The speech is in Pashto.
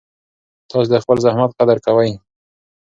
تاسو د خپل زحمت قدر کوئ.